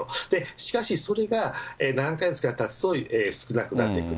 しかしそれが、何か月がたつと少なくなってくる。